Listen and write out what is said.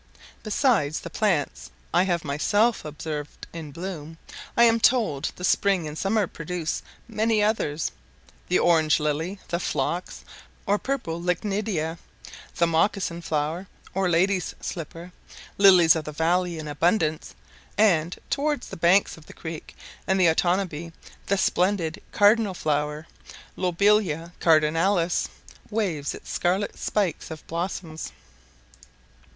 Beside the plants I have myself observed in blossom, I am told the spring and summer produce many others; the orange lily; the phlox, or purple lichnidea; the mocassin flower, or ladies' slipper; lilies of the valley in abundance; and, towards the banks of the creek and the Otanabee, the splendid cardinal flower (lobelia cardinalis) waves its scarlet spikes of blossoms.